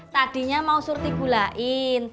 tadinya mau surti gulain